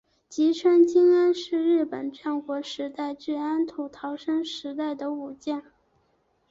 吉川经安是日本战国时代至安土桃山时代的武将。